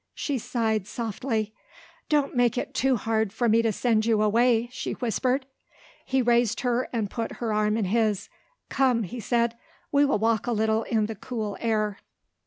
She sighed softly. "Don't make it too hard for me to send you away!" she whispered. He raised her, and put her arm in his. "Come," he said, "we will walk a little in the cool air."